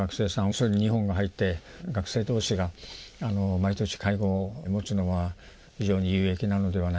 それに日本が入って学生同士が毎年会合を持つのは非常に有益なのではないかという。